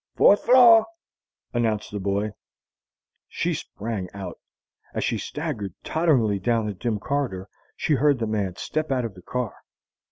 "Fou'th flo'," announced the boy. She sprang out. As she staggered totteringly down the dim corridor, she heard the man step out of the car.